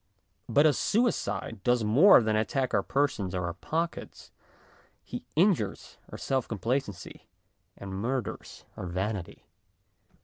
But a suicide does more than attack our persons or our pockets ; he injures our self complacency and murders our vanity.